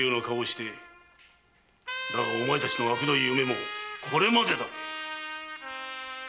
だがお前たちのあくどい夢もこれまでだ！